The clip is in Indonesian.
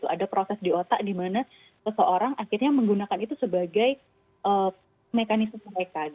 ada proses di otak dimana seseorang akhirnya menggunakan itu sebagai mekanisme mereka